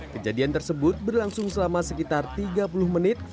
kejadian tersebut berlangsung selama sekitar tiga puluh menit